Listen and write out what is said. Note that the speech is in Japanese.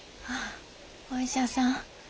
ああお医者さん？